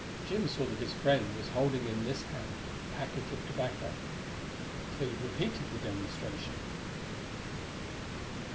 Jim saw that his friend was holding in this hand the package of tobacco. Clee repeated the demonstration.